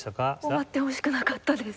終わってほしくなかったです